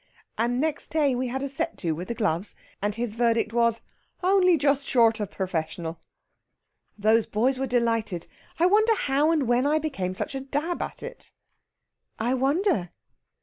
And next day we had a set to with the gloves, and his verdict was 'Only just short of professional.' Those boys were delighted. I wonder how and when I became such a dab at it?" "I wonder!"